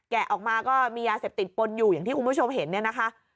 แกะออกมาก็มียาเสพติดปนอยู่อย่างที่คุณผู้ชมเห็น